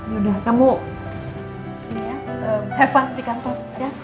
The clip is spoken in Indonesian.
ya udah kamu have fun di kantor ya